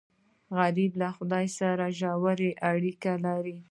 غریب له خدای سره ژور اړیکه لري